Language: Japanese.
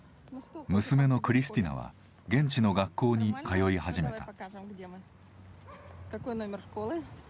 娘のクリスティナは現地の学校に通い始めた。